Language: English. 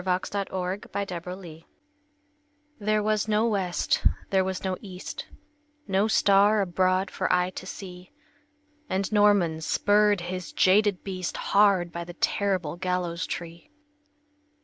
W X . Y Z The Demon of the Gibbet THERE was no west, there was no east, No star abroad for eye to see; And Norman spurred his jaded beast Hard by the terrible gallows tree.